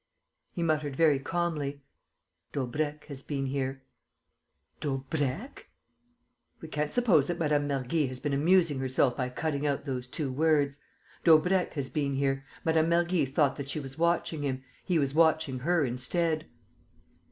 He muttered, very calmly: "Daubrecq has been here." "Daubrecq!" "We can't suppose that Mme. Mergy has been amusing herself by cutting out those two words. Daubrecq has been here. Mme. Mergy thought that she was watching him. He was watching her instead."